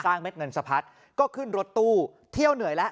เม็ดเงินสะพัดก็ขึ้นรถตู้เที่ยวเหนื่อยแล้ว